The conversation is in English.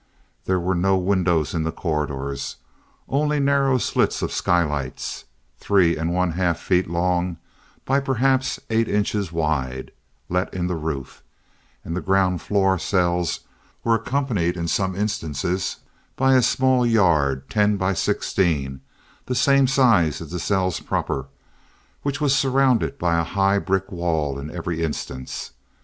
There were no windows in the corridors, only narrow slits of skylights, three and one half feet long by perhaps eight inches wide, let in the roof; and the ground floor cells were accompanied in some instances by a small yard ten by sixteen—the same size as the cells proper—which was surrounded by a high brick wall in every instance.